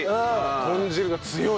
豚汁が強い！